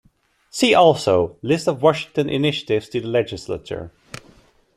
See also List of Washington initiatives to the legislature.